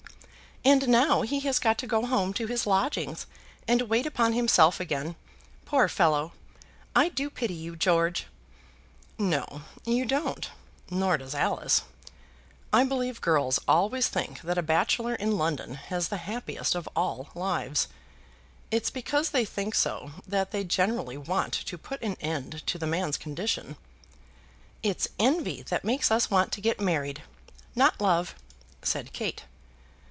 "And now he has got to go home to his lodgings, and wait upon himself again. Poor fellow! I do pity you, George." "No, you don't; nor does Alice. I believe girls always think that a bachelor in London has the happiest of all lives. It's because they think so that they generally want to put an end to the man's condition." "It's envy that makes us want to get married, not love," said Kate.